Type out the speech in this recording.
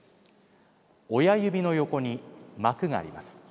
親指の横に膜があります。